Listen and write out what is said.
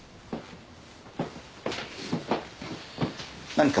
何か？